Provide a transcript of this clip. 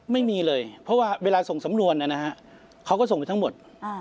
ไม่มีเลยเพราะว่าเวลาส่งสำนวนนะฮะเขาก็ส่งไปทั้งหมด